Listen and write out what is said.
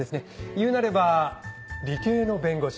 いうなれば理系の弁護士。